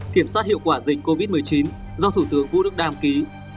kiểm soát hiệu quả dịch covid một mươi chín do thủ tướng vũ đức đam ký